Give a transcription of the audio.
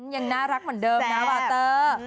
ยังน่ารักเหมือนเดิมนะวาเตอร์